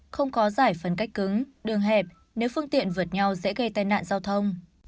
không có giải phân cách cứng đường hẹp nếu phương tiện vượt nhau dễ gây tai nạn giao thông